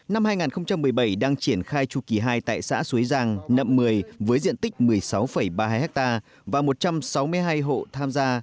năm hai nghìn một mươi bảy đang triển khai chu kỳ hai tại xã suối giang nậm mười với diện tích một mươi sáu ba mươi hai ha và một trăm sáu mươi hai hộ tham gia